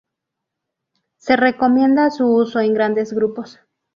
Se recomienda su uso en grandes grupos.